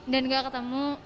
dan gak ketemu